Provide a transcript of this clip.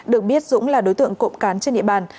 được biết dũng là đối tượng cộng cán trên địa bàn